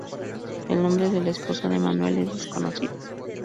El nombre de la esposa de Manuel es desconocido.